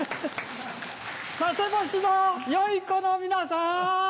佐世保市の良い子の皆さん！